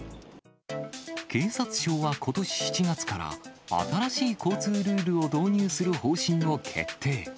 警察庁はことし７月から、新しい交通ルールを導入する方針を決定。